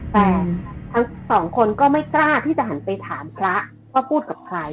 แต่ทั้งสองคนก็ไม่กล้าที่จะหันไปถามพระว่าพูดกับใคร